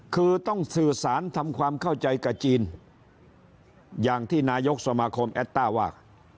คือต้องสื่อสารทำความเข้าใจกับจีนอย่างที่นายกสมาคมแอดต้าว่า